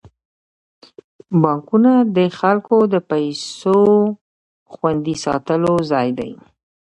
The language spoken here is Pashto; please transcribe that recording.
بانکونه د خلکو د پيسو خوندي ساتلو ځای دی.